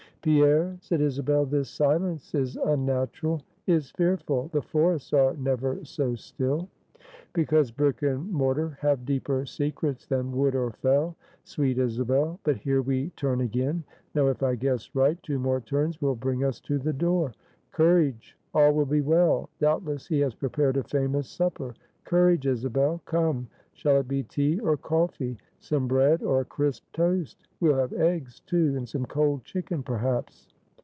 "Pierre," said Isabel, "this silence is unnatural, is fearful. The forests are never so still." "Because brick and mortar have deeper secrets than wood or fell, sweet Isabel. But here we turn again; now if I guess right, two more turns will bring us to the door. Courage, all will be well; doubtless he has prepared a famous supper. Courage, Isabel. Come, shall it be tea or coffee? Some bread, or crisp toast? We'll have eggs, too; and some cold chicken, perhaps."